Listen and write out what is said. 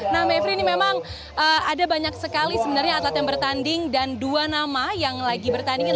nah mepri ini memang ada banyak sekali sebenarnya atlet yang bertanding dan dua nama yang lagi bertandingin